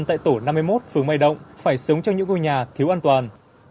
trong mấy năm người dân tại tổ năm mươi một phường mai động phải sống trong những ngôi nhà thiếu an toàn